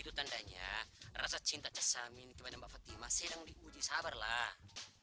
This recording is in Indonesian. itu tandanya rasa cinta cezamin ke mbak fatima sedang diuji sabarlah